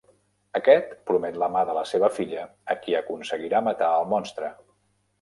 Aquest promet la mà de la seva filla a qui aconseguirà matar el monstre.